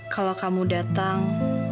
kalau kamu datang